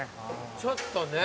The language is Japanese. ちょっとね。